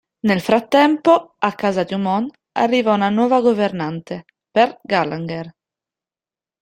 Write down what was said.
Nel frattempo, a casa Drummond arriva una nuova governante, Pearl Gallagher.